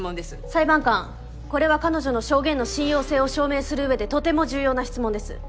裁判官これは彼女の証言の信用性を証明する上でとても重要な質問です。